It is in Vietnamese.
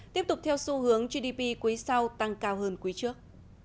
tiếp tục theo xu hướng gdp quý sau tăng cao hơn quý trước